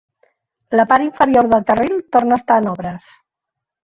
La part inferior del carril torna a estar en obres.